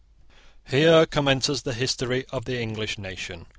Here commences the history of the English nation.